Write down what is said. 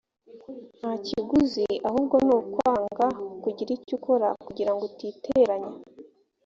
nta kiguzi ahubwo ni ukwanga kugira icyo ukora kugira ngo utiteranya